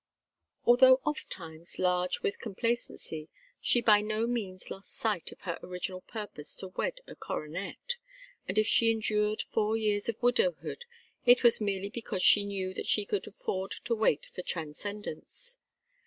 Although ofttimes large with complacency, she by no means lost sight of her original purpose to wed a coronet, and if she endured four years of widowhood it was merely because she knew that she could afford to wait for transcendence.